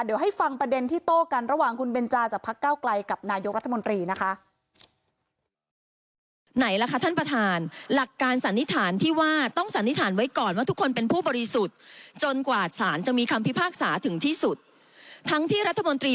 เดี๋ยวให้ฟังประเด็นที่โตกันระหว่างคุณเบนจาจากภาคเก้าไกล